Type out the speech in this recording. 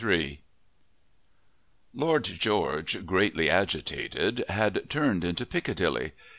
III Lord George, greatly agitated, had turned into Piccadilly.